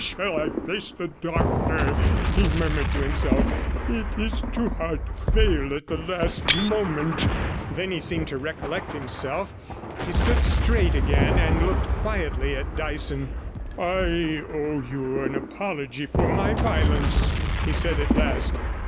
'How shall I face the doctor?' he murmured to himself. 'It is too hard to fail at the last moment.' Then he seemed to recollect himself; he stood straight again, and looked quietly at Dyson. 'I owe you an apology for my violence,' he said at last.